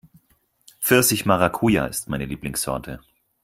Pfirsich-Maracuja ist meine Lieblingssorte